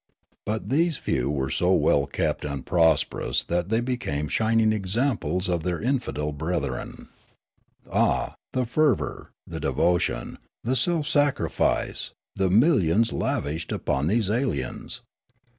But these few were so well kept and prosperous that they became shining examples to their infidel brethren. 50 Riallaro Ah, the fervour, the devotion, the self sacrifice, the millions lavished upon these aliens